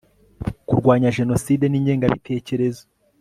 kurwanya jenoside n ingengabitekerezo